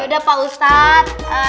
yaudah pak ustadz